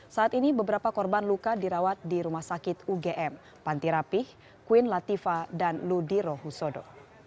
saat ini beberapa korban luka dirawat di rumah sakit ugm panti rapih queen latifa dan ludiro husodo